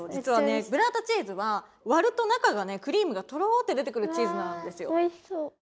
ブッラータチーズはわると中がねクリームがとろって出てくるチーズなんですよ。